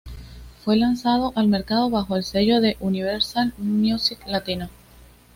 Fue lanzado al mercado bajo el sello de Universal Music Latino.